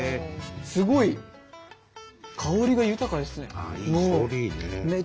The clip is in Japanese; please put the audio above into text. すごい香りが豊かですね。